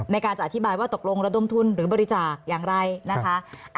ในการจะอธิบายว่าตกลงระดมทุนหรือบริจาคอย่างไรนะคะ